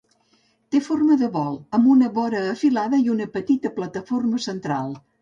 Té forma de bol, amb una vora afilada i una petita plataforma central.